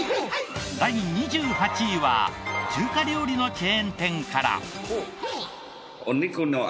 第２８位は中華料理のチェーン店から。